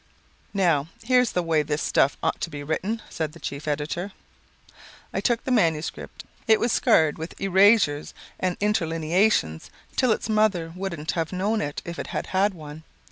"'Now, here's the way this stuff ought to be written,' said the chief editor. "I took the manuscript. It was scarred with erasures and interlineations till its mother wouldn't have known it if it had had one.